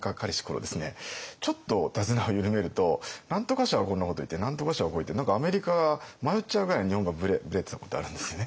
ちょっと手綱を緩めると何とか省はこんなこと言って何とか省はこう言ってアメリカが迷っちゃうぐらい日本がブレてたことあるんですよね。